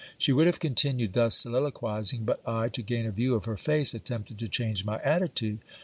She would have continued thus soliloquizing, but I, to gain a view of her face, attempted to change my attitude.